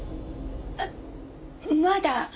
あっまだ。